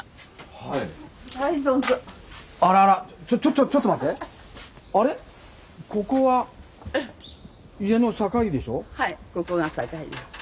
はいここが境です。